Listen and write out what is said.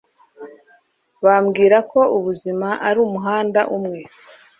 Bambwira ko ubuzima ari umuhanda umwe